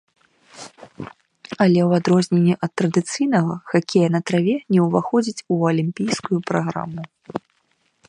Але ў адрозненні ад традыцыйнага хакея на траве не ўваходзіць у алімпійскую праграму.